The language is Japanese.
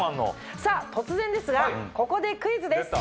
さぁ突然ですがここでクイズです！